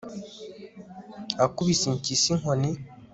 akubise impyisi inkoni